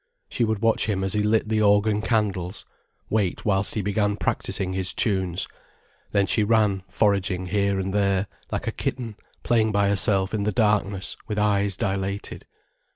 She would watch him as he lit the organ candles, wait whilst he began his practicing his tunes, then she ran foraging here and there, like a kitten playing by herself in the darkness with eyes dilated.